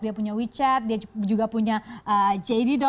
dia punya wechat dia juga punya jd